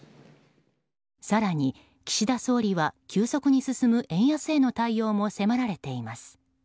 更に岸田総理は急速に進む円安への対応も迫られています。